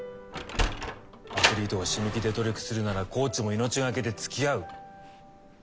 アスリートが死ぬ気で努力するならコーチも命懸けでつきあう。